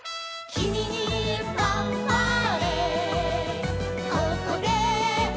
「ここでファンファーレ」